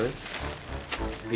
mau dimasuk apa doi